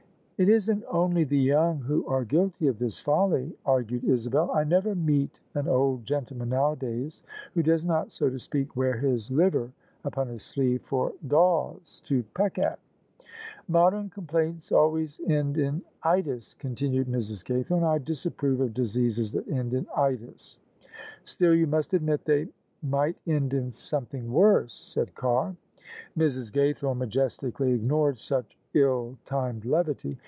" It isn't only the young who are guilty of this folly," argued Isabel :" I never meet an old gentleman nowadays who does not, so to speak, wear his liver upon his sleeve for daws to peck at." " Modern complaints always end in itis," continued Mrs. Gaythorne :" I disapprove of diseases that end in itis," " Still you must admit they might end in something worse," said Carr. Mrs. Gaythorne majestically ignored such ill timed levity.